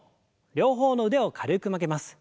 両方の腕を軽く曲げます。